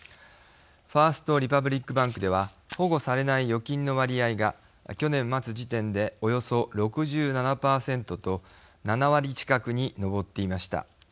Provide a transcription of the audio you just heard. ファースト・リパブリック・バンクでは保護されない預金の割合が去年末時点で、およそ６７％と７割近くに上っていました。